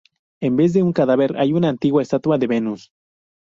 En vez de un cadáver, hay una antigua estatua de Venus.